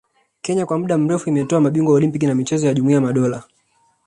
Kenya kwa muda mrefu imetoa mabingwa wa Olimpiki na michezo ya Jumuia ya Madola